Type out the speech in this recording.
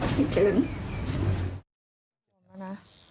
คิดถึง